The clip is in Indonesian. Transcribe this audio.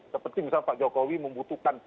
seperti misalnya pak jokowi membutuhkan